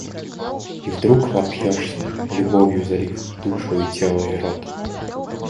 И вдруг вопьешься, любовью залив и душу, и тело, и рот.